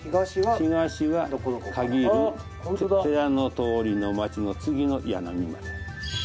東は限る寺の通りの町の次の柳まで。